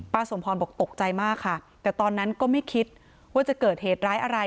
สมพรบอกตกใจมากค่ะแต่ตอนนั้นก็ไม่คิดว่าจะเกิดเหตุร้ายอะไร